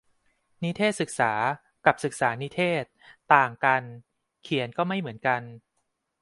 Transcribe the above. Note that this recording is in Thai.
นิเทศศึกษา กับศึกษานิเทศก์ ต่างกัน เขียนก็ไม่เหมือนกัน